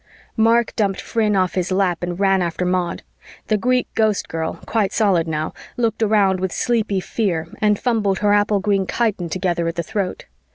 Mark dumped Phryne off his lap and ran after Maud. The Greek Ghostgirl, quite solid now, looked around with sleepy fear and fumbled her apple green chiton together at the throat.